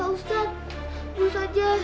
pak ustadz buruk saja